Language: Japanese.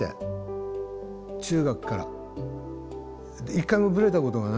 一回もぶれたことがないんで。